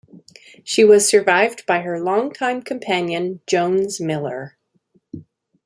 She was survived by her longtime companion, Jones Miller.